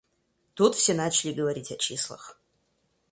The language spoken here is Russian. Тут все начали говорить о числах.